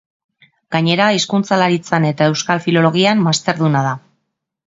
Gainera Hizkuntzalaritzan eta Euskal Filologian masterduna da.